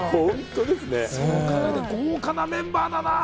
豪華なメンバーだな。